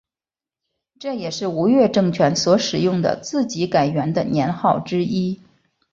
这也是吴越政权所使用的自己改元的年号之一。